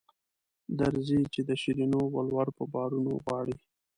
درځئ چې د شیرینو ولور په بارونو غواړي.